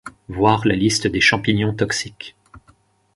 Voir la liste des champignons toxiques.